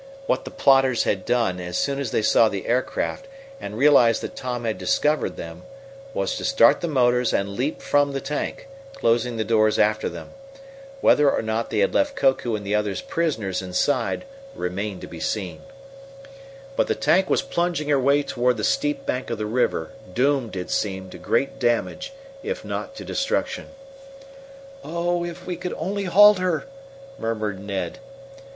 What the plotters had done, as soon as they saw the aircraft and realized that Tom had discovered them, was to start the motors and leap from the tank, closing the doors after them. Whether or not they had left Koku and the others prisoners inside remained to be seen. But the tank was plunging her way toward the steep bank of the river, doomed, it seemed, to great damage, if not to destruction. "Oh, if we could only halt her!" murmured Ned.